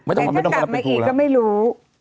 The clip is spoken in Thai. แต่ถ้าจะได้มามาอีกก็ไม่รู้